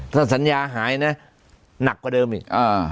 ถ้าสัญญาหายนะหนักกว่าเดิมอีก